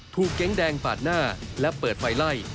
ทูกแก๊งแดงปากหน้าและเปิดไฟไล่